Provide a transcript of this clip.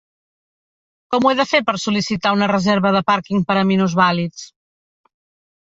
Com ho he de fer per sol·licitar una reserva de parking per a minusvàlids?